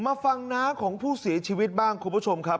มาฟังน้าของผู้เสียชีวิตบ้างคุณผู้ชมครับ